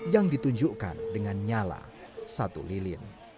yang ditunjukkan dengan nyala satu lilin